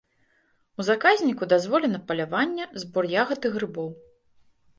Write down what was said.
У заказніку дазволена паляванне, збор ягад і грыбоў.